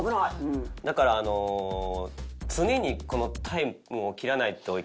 だからあの常にこのタイムを切らないといけない。